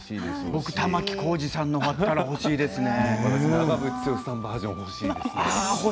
僕は玉置浩二さんのが出たら欲しいですね。